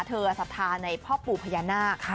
ศรัทธาในพ่อปู่พญานาค